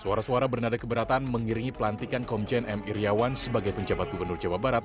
suara suara bernada keberatan mengiringi pelantikan komjen m iryawan sebagai penjabat gubernur jawa barat